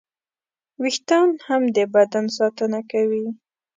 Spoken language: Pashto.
وېښتيان هم د بدن ساتنه کوي.